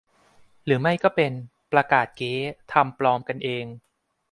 หรือไม่ก็เป็น "ประกาศเก๊" ทำปลอมกันเอง